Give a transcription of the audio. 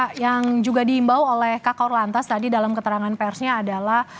pak joko yang juga diimbau oleh kak auro lantas tadi dalam keterangan persnya adalah